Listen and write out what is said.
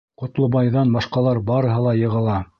Ҡотлобайҙан башҡалар барыһы ла йығыла.